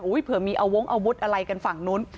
อุ้ยเผื่อมีเอาโว้งเอาวุธอะไรกันฝั่งนู้น